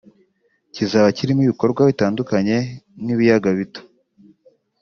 Kizaba kirimo ibikorwa bitandukanye nk’ibiyaga bito